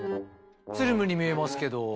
スリムに見えますけど。